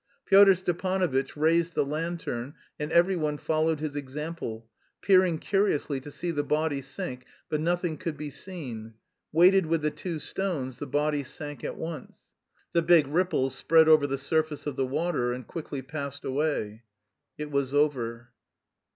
Pyotr Stepanovitch raised the lantern and every one followed his example, peering curiously to see the body sink, but nothing could be seen: weighted with the two stones, the body sank at once. The big ripples spread over the surface of the water and quickly passed away. It was over.